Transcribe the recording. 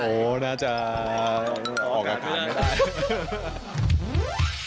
โหน่าจะออกกับถามไม่ได้